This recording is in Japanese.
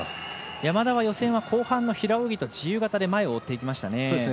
山田は予選で後半の平泳ぎと自由形で前を追っていきましたね。